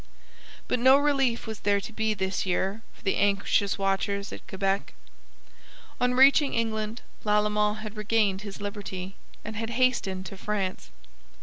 But no relief was there to be this year for the anxious watchers at Quebec. On reaching England Lalemant had regained his liberty, and had hastened to France.